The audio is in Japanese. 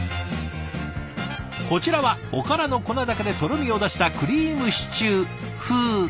こちらはおからの粉だけでとろみを出したクリームシチュー風。